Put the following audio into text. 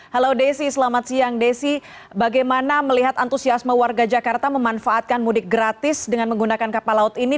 halo desi selamat siang desi bagaimana melihat antusiasme warga jakarta memanfaatkan mudik gratis dengan menggunakan kapal laut ini